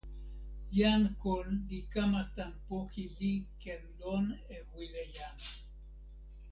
jan kon li kama tan poki li ken lon e wile jan.